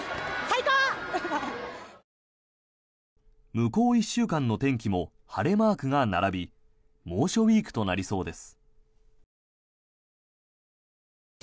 向こう１週間の天気も晴れマークが並び猛暑ウィークとなりそうです。